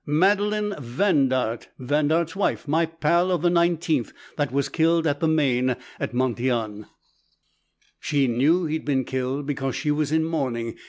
Madeleine Vandaert, Vandaert's wife, my pal of the 19th, that was killed at the Maine, at Montyon. "She knew he'd been killed because she was in mourning.